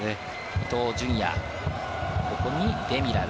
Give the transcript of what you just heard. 伊東純也、横にデミラル。